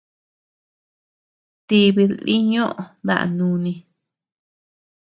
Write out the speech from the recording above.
Tibid lï ñò daʼa núni.